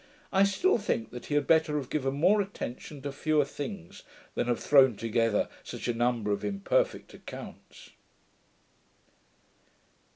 I still think that he had better have given more attention to fewer things, than have thrown together such a number of imperfect accounts.